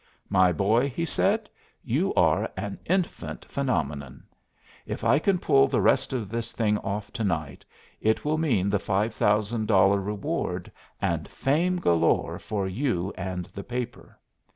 "My boy," he said, "you are an infant phenomenon. If I can pull the rest of this thing off to night it will mean the $5,000 reward and fame galore for you and the paper.